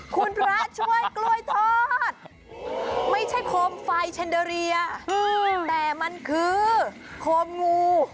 คุณพระช่วยกล้วยทอดไม่ใช่โคมไฟแนนเดอเรียแต่มันคือโคมงู